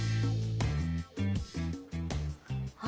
あ！